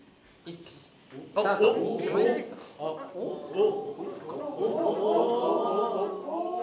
お！